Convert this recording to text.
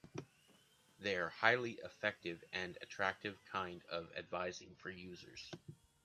They’re a highly effective and attractive kind of advertising for users.